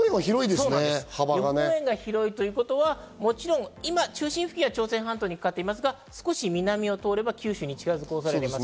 予報円が広いということは中心付近は朝鮮半島にかかっていますが、少し南を通れば九州に近づく恐れがあります。